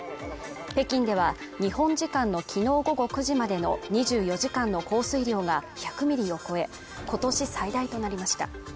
北京では日本時間のきのう午後９時までの２４時間の降水量が１００ミリを超え今年最大となりました